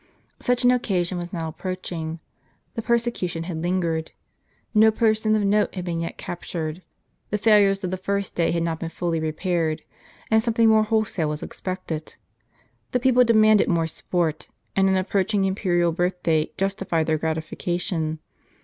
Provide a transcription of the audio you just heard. Such an occasion was now approaching. The persecution had lingered. No person of note had been yet captured ; the failures of the first day had not been fully repaired; and something more wholesale was expected. The people demanded more sport; and an approaching imperial birth day justitied their gratification.